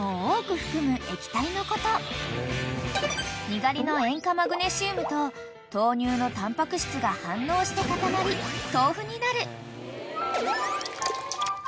［にがりの塩化マグネシウムと豆乳のタンパク質が反応して固まり豆腐になる］